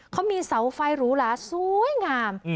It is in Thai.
เขามีเสาไฟลูระสวยงาม